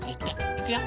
いくよ。